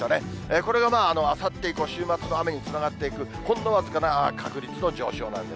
これがまああさって以降、週末の雨につながっていく、ほんの僅かな確率の上昇なんです。